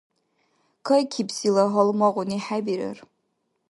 Кайкибсила гьалмагъуни хӀебирар.